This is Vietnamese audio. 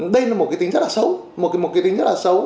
đây là một cái tính rất là xấu một cái tính rất là xấu